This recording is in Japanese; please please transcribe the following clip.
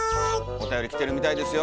おたより来てるみたいですよ